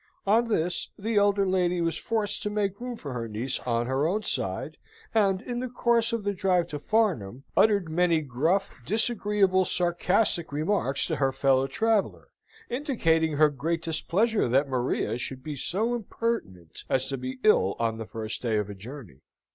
On this, the elder lady was forced to make room for her niece on her own side, and, in the course of the drive to Farnham, uttered many gruff, disagreeable, sarcastic remarks to her fellow traveller, indicating her great displeasure that Maria should be so impertinent as to be ill on the first day of a journey.